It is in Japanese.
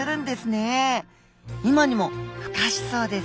今にもふ化しそうです！